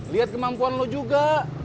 lihat kemampuan lo juga